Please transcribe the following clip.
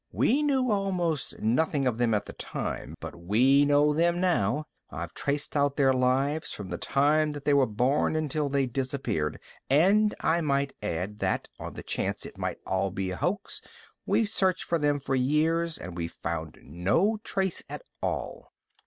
We knew almost nothing of them at the time, but we know them now. I've traced out their lives from the time that they were born until they disappeared and I might add that, on the chance it might be all a hoax, we've searched for them for years and we've found no trace at all.